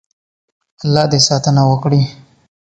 الله دې ساتنه وکړي.